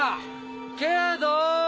けど！